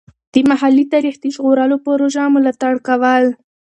د محلي تاریخ د ژغورلو پروژو ملاتړ کول.